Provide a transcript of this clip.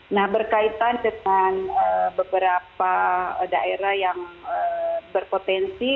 nah berkaitan dengan beberapa daerah yang berpotensi